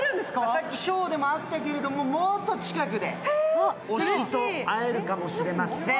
さっきショーでも会ったけれども、もっと近くで推しと会えるかもしれません。